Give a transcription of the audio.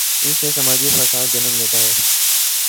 اس سے سماجی فساد جنم لیتا ہے۔